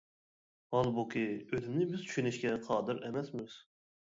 ھالبۇكى، ئۆلۈمنى بىز چۈشىنىشكە قادىر ئەمەسمىز.